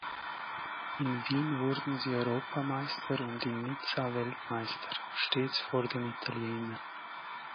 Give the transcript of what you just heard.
In Wien wurden sie Europameister und in Nizza Weltmeister, stets vor den Italienern.